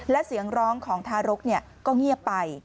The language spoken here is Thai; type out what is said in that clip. และเสียงร้องของทารกก็เงียบไป